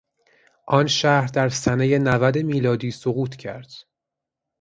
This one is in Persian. آن شهر در سنهی نود میلادی سقوط کرد.